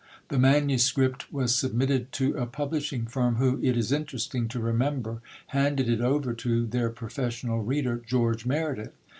The manuscript was submitted to a publishing firm, who, it is interesting to remember, handed it over to their professional reader, George Meredith.